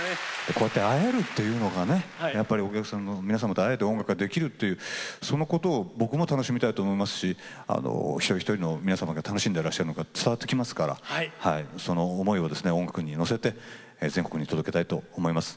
こうやって会えるということが音楽ができるということがそのことを僕も楽しみたいと思いますし一人一人の皆さんが楽しんでいらっしゃることが伝わってきますからその思いを音楽に乗せて全国に届けたいと思います。